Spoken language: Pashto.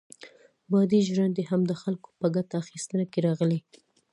بادي ژرندې هم د خلکو په ګټه اخیستنه کې راغلې.